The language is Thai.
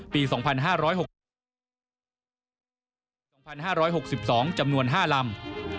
ปี๒๕๖๒๒๕๖๒จำนวน๕ลำ